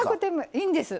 いいんです。